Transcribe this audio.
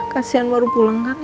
kasian baru pulang kan ya